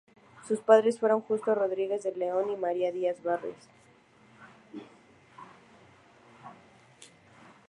Sus padres fueron Justo Rodríguez de León y María Díaz Barrios.